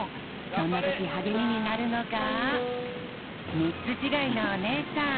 そんなときはげみになるのがみっつちがいのおねえさん。